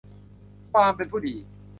ความเป็นผู้ดี